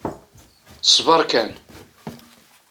Sber kan.